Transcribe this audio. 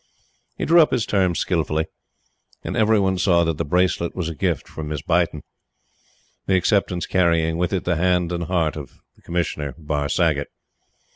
He drew up his terms skilfully, and every one saw that the bracelet was a gift to Miss Beighton; the acceptance carrying with it the hand and the heart of Commissioner Barr Saggott.